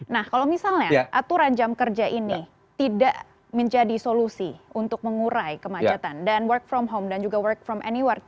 nah kalau misalnya aturan jam kerja ini tidak menjadi solusi untuk mengurai kemacetan dan bekerja dari rumah dan juga bekerja dari mana saja